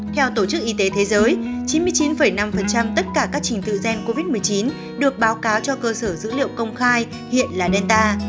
theo tổ chức y tế thế giới chín mươi chín năm tất cả các trình tự gen covid một mươi chín được báo cáo cho cơ sở dữ liệu công khai hiện là netan